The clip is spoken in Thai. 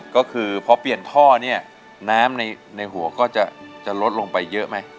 ก็คือพอเปลี่ยนท่อเนี่ยน้ำในหัวก็จะลดลงไปเยอะไหม